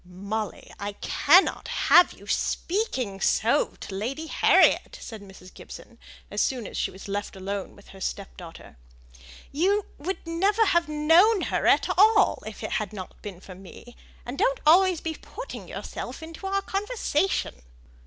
"Molly, I cannot have you speaking so to Lady Harriet," said Mrs. Gibson, as soon as she was left alone with her stepdaughter. "You would never have known her at all if it had not been for me, and don't be always putting yourself into our conversation."